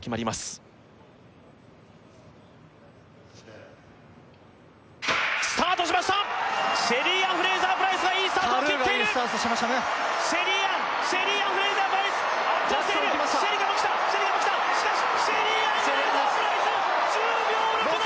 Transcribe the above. Ｓｅｔスタートしましたシェリーアン・フレイザープライスがいいスタートを切っているシェリーアンシェリーアン・フレイザープライスジャクソンも来ましたシェリカも来たシェリカも来たしかしシェリーアン・フレイザープライス１０秒６７！